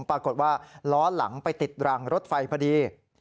ปรากฏว่าล้อหลังไปติดรางรถไฟพอดี